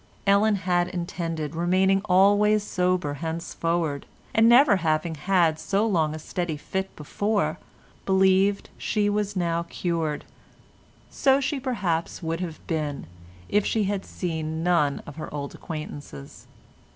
Ellen had intended remaining always sober henceforward, and never having had so long a steady fit before, believed she was now cured. So she perhaps would have been if she had seen none of her old acquaintances.